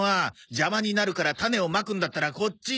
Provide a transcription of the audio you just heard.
邪魔になるから種をまくんだったらこっちに。